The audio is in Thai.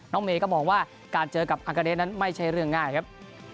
เมย์ก็มองว่าการเจอกับอากาเดชนั้นไม่ใช่เรื่องง่ายครับ